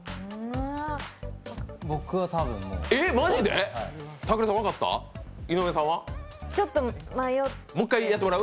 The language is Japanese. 僕は多分、もう。